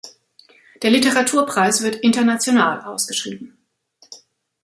Der Literaturpreis wird international ausgeschrieben.